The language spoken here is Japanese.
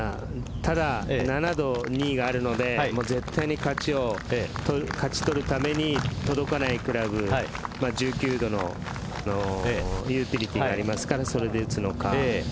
ただ７度２位があるので絶対に勝ちを勝ち取るために届かないクラブ１９度のユーティリティーがありますからそれで打つのか。